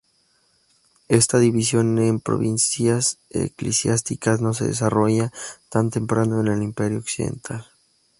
Esta división en provincias eclesiásticas no se desarrolló tan temprano en el Imperio Occidental.